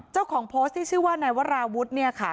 เจ้าของโพสต์ที่ชื่อว่านายวราวุฒิ